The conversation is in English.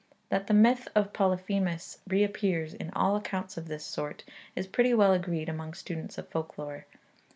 That the myth of Polyphemus reappears in all accounts of this sort, is pretty well agreed among students of folk lore.